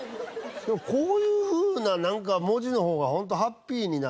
でもこういうふうな文字の方がホントハッピーになって。